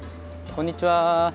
こんにちは。